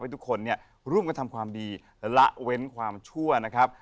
ทุกคนเนี่ยร่วมกันทำความดีและละเว้นความชั่วนะครับ